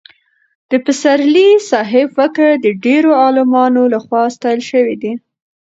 د پسرلي صاحب فکر د ډېرو عالمانو له خوا ستایل شوی دی.